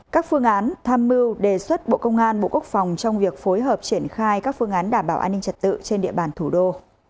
các phương án tham mưu đề xuất bộ công an bộ quốc phòng trong việc phối hợp triển khai các phương án đảm bảo an ninh trật tự trên địa bàn thủ đô